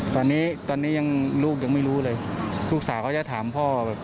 ตอนนี้ยังลูกยังไม่รู้เลยลูกสาวเขาจะถามพ่อ